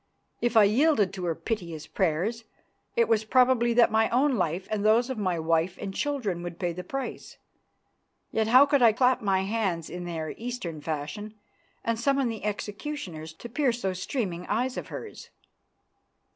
If I yielded to her piteous prayers, it was probable that my own life and those of my wife and children would pay the price. Yet how could I clap my hands in their Eastern fashion and summon the executioners to pierce those streaming eyes of hers?